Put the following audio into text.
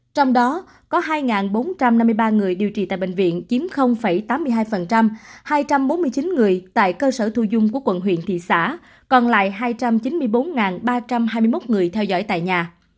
trong đó có hai bốn trăm năm mươi ba người điều trị tại bệnh viện chiếm tám mươi hai hai trăm bốn mươi chín người tại cơ sở thu dung của quận huyện thị xã còn lại hai trăm chín mươi bốn ba trăm hai mươi một người theo dõi tại nhà